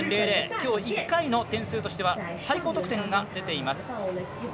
きょう１回の点数としては最高得点が出ています。